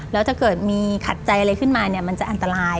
แล้วถ้าเกิดมีขัดใจอะไรขึ้นมาเนี่ยมันจะอันตราย